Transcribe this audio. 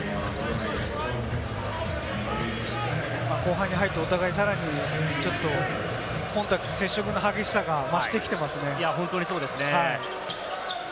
後半に入って、お互いさらにコンタクト、接触の激しさが増してきてますね。